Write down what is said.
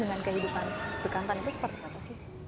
dengan kehidupan bekantan itu seperti apa sih